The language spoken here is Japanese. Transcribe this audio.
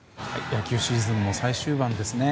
野球シーズンも最終盤ですね。